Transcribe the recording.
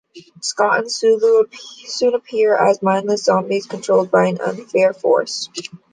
Scott and Sulu soon appear as mindless zombies, controlled by an unknown force.